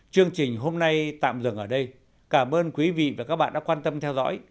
chương trình hôm nay tạm dừng ở đây cảm ơn quý vị và các bạn đã quan tâm theo dõi